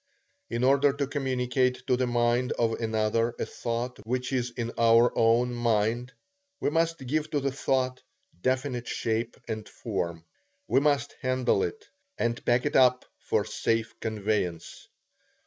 In order to communicate to the mind of another a thought which is in our own mind, we must give to the thought definite shape and form. We must handle it, and pack it up for safe conveyance.